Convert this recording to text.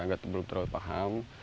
saya juga belum terlalu paham